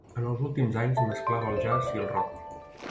En els últims anys mesclava el jazz i el rock.